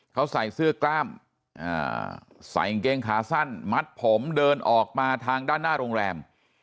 เขาใส่เสื้อกล้ามใส่กางเกงขาสั้นมัดผมเดินออกมาทางด้านหน้าโรงแรม